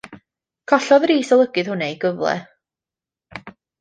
Collodd yr is-olygydd hwnnw ei gyfle.